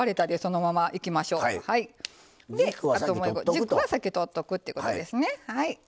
軸は先取っとくっていうことですね。